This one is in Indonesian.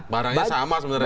barangnya sama sebenarnya